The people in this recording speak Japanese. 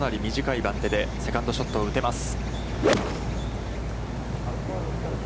飛距離の出る選手は、かなり短い番手でセカンドショットを打てます。